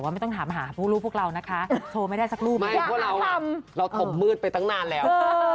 ไม่พวกเลาถมมืดไปตั้งนานแล้ว